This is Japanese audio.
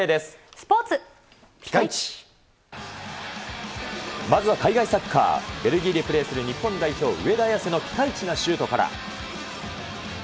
スポーツ、まずは海外サッカー、ベルギーでプレーする日本代表、上田綺世のピカイチなシュートから。